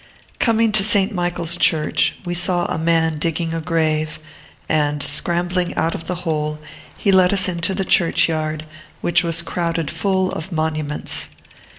Coming to St. Michael's Church, we saw a man digging a grave, and, scrambling out of the hole, he let us into the churchyard, which was crowded full of monuments.